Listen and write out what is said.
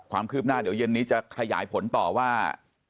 ความคืบหน้าเดี๋ยวเย็นนี้จะขยายผลต่อว่า